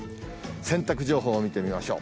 洗濯情報を見てみましょう。